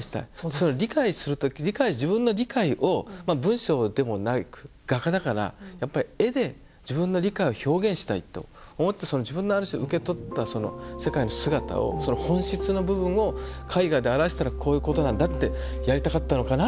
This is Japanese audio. その理解する時自分の理解を文章でもなく画家だからやっぱり絵で自分の理解を表現したいと思って自分のある種受け取ったその世界の姿をその本質の部分を絵画で表したらこういうことなんだってやりたかったのかな。